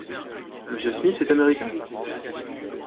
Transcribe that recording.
M. Smith est américain ?